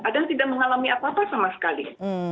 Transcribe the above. ada yang tidak mengalami apa apa sama sekali